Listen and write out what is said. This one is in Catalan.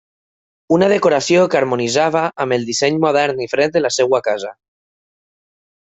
Una decoració que harmonitzava amb el disseny modern i fred de la seva casa.